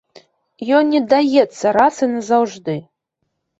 Ён не даецца раз і назаўжды.